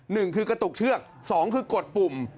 หนึ่งคือกระตุกเชือกสองคือกดปุ่ม